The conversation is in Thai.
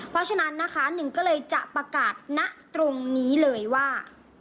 เพราะฉะนั้นนะคะหนึ่งก็เลยจะประกาศณตรงนี้เลยว่า